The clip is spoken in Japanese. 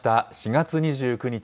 ４月２９日